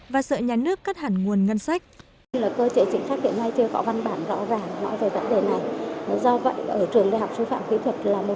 và sợ nhà nước các trường không thể thực hiện tự chủ